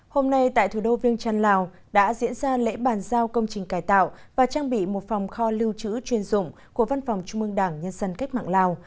hôm nay tại thủ đô viêng trăn lào đã diễn ra lễ bàn giao công trình cải tạo và trang bị một phòng kho lưu trữ chuyên dụng của văn phòng trung mương đảng nhân dân cách mạng lào